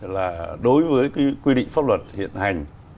là đối với quy định pháp luật hiện hành